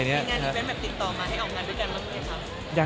มีงานอิเฟตแก่มัยติดต่อมาให้ออกงานด้วยกันหรือเปล่า